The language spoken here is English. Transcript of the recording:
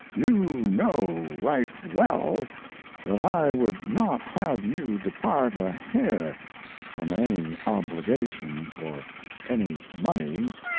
You know right well that I would not have you depart a hair from any obligation for any money.